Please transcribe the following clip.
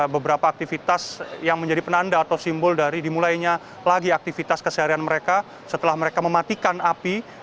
beberapa aktivitas yang menjadi penanda atau simbol dari dimulainya lagi aktivitas keseharian mereka setelah mereka mematikan api